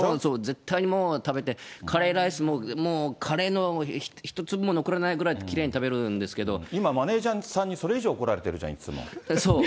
絶対にもう食べて、カレーライスもカレーの一粒も残らないぐらいきれいに食べるんで今、マネージャーさんにそれ以上怒られてるじゃん、いつも。